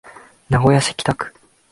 名古屋市北区